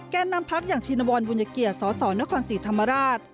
แก้นนำพักอย่างชินวรบุญเกียจสสนศรีธรรมราช